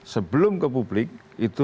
sebelum ke publik itu